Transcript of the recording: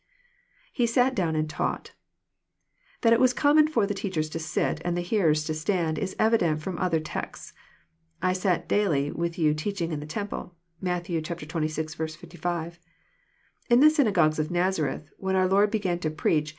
[He sat dovon, and taught.] That It was common for the teachers to sit, and the hearers to stand. Is evident f^om other texts. << I sat dally with you teaching in the temple." TMatt. xxvi. 65.) In the synagogues of Nazareth, when our Lord oegan to preach.